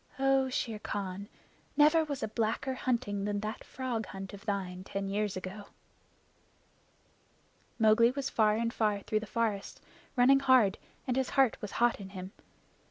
"Oh, Shere Khan, never was a blacker hunting than that frog hunt of thine ten years ago!" Mowgli was far and far through the forest, running hard, and his heart was hot in him.